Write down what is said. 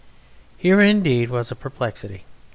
Here, indeed, was a perplexity.